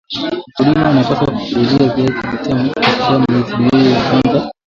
mkulima anapaswa kupalilia viazi vitamu katika miezi miwili ya kwanza